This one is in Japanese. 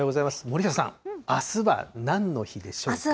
森下さん、あすはなんの日でしょうか。